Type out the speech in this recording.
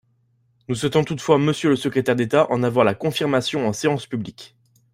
Nous souhaitons toutefois, monsieur le secrétaire d’État, en avoir la confirmation en séance publique.